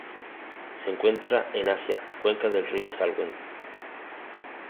Se encuentran en Asia: cuenca del río Salween.